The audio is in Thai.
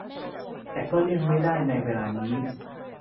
แต่ก็เลี่ยงไม่ได้ในเวลานี้